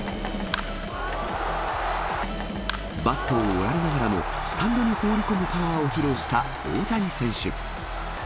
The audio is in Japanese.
バットを折られながらも、スタンドに放り込むパワーを披露した大谷選手。